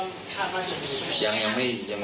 คือถ้ามีอะขอให้ตำรวจว่าเราจะได้ควร